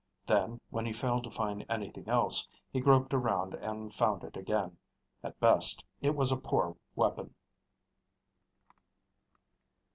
Then, when he failed to find anything else, he groped around and found it again. At best, it was a poor weapon.